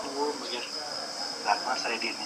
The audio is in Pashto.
تاسو باید د خوراکي توکو په هټۍ کې د مچانو مخه ونیسئ.